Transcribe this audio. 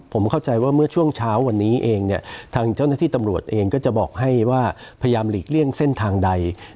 ผมเข้าใจว่าเมื่อช่วงเช้าวันนี้เองเนี่ยทางเจ้าหน้าที่ตำรวจเองก็จะบอกให้ว่าพยายามหลีกเลี่ยงเส้นทางใด